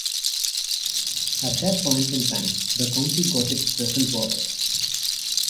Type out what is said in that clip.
At that point in time, the county got its present borders.